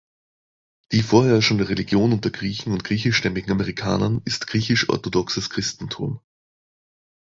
Die vorherrschende Religion unter Griechen und griechischstämmigen Amerikanern ist Griechisch-Orthodoxes Christentum.